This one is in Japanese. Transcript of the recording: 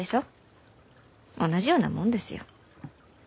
同じようなもんですよ。